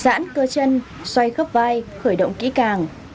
giãn cơ chân xoay khớp vai khởi động kỹ càng